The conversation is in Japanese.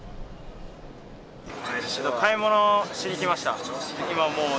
買い物しに来ました。